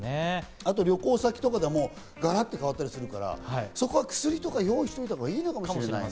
あと旅行先とかでもガラっと変わったりするから、そこは薬とか用意しておいた方がいいのかもしれない。